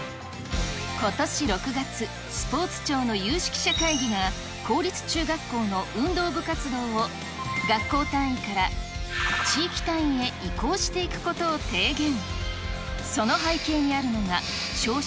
ことし６月、スポーツ庁の有識者会議が、公立中学校の運動部活動を、学校単位から地域単位へ移行していくことを提言。